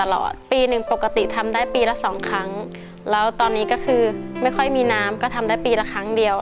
ปีหนึ่งปกติทำได้ปีละสองครั้งแล้วตอนนี้ก็คือไม่ค่อยมีน้ำก็ทำได้ปีละครั้งเดียว